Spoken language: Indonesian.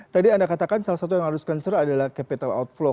tadi anda katakan salah satu yang harus concern adalah capital outflow